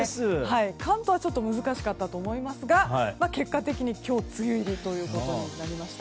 関東はちょっと難しかったと思いますが結果的に今日、梅雨入りとなりました。